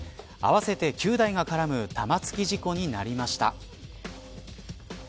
合わせて９台が絡む玉突き事故になりました。